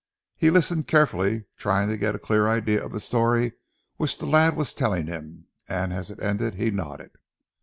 He listened carefully, trying to get a clear idea of the story which the lad was telling him, and as it ended he nodded.